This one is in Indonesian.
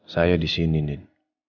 saya disini nid